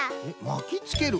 まきつける？